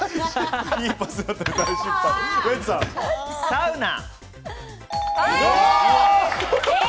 サウナ。